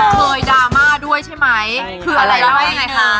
เคยดรามาด้วยใช่ไหมคืออะไรเล่าอย่างไรคะ